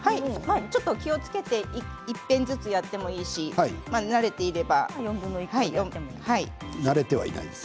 ちょっと気をつけて１片ずつやってもいいし慣れては、いないです。